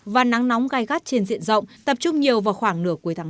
và nắng nóng gai gắt trên diện rộng tập trung nhiều vào khoảng nửa cuối tháng năm